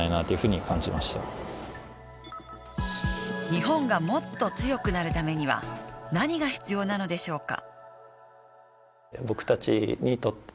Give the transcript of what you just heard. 日本がもっと強くなるためには何が必要なのでしょうか。